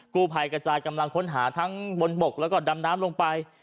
กู้ภัยกระจายกำลังค้นหาทั้งบนบกแล้วก็ดำน้ำลงไป